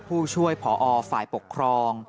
ผู้ช่วยผอฝ่ายปกครอง